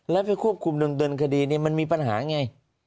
แล้วไปควบคุมเดินคดีเนี่ยมันมีปัญหาไง